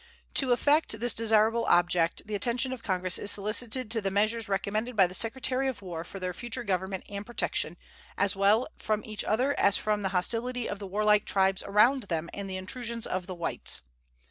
To effect this desirable object the attention of Congress is solicited to the measures recommended by the Secretary of War for their future government and protection, as well from each other as from the hostility of the warlike tribes around them and the intrusions of the whites.